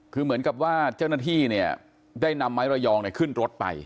คือเหมือนกับว่าเจ้าหน้าที่เนี่ยได้นำไม้ระยองขึ้นรถไป